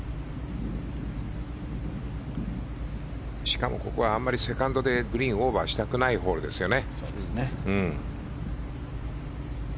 しかもここはあんまりセカンドでグリーンをオーバーしたくないホールですよね。